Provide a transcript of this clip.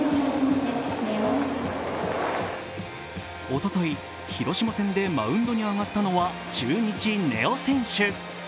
おととい、広島戦でマウンドに上がったのは中日・根尾選手。